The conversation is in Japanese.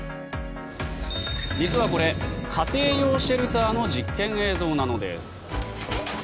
実はこれ、家庭用シェルターの実験映像なのです。